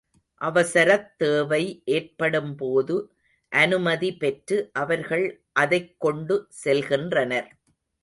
அவசரத் தேவை ஏற்படும்போது அனுமதி பெற்று அவர்கள் அதைக் கொண்டு செல்கின்றனர்.